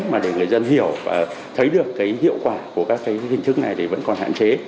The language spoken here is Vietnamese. mà để người dân hiểu và thấy được cái hiệu quả của các cái hình thức này thì vẫn còn hạn chế